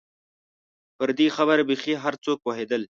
پر دې خبره بېخي هر څوک پوهېدل.